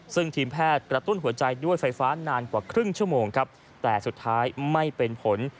ซึ่งทีมแพทย์กระตุ้นหัวใจด้วยไฟฟ้านานกว่าครึ่งชั่วโมงครับแต่สุดท้ายไม่เป็นผล